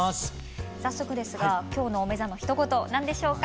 早速ですが今日の「おめざ」のひと言何でしょうか？